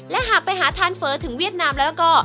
และหากไปหาทานเฟ้อถึงเวียดนามแล้วก็